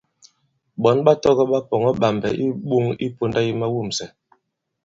Ɓɔ̌n ɓa tɔgɔ̄ ɓa pɔ̀ŋɔ̄ ɓàmbɛ̀ i iɓoŋ i pōnda yi mawûmsɛ̀.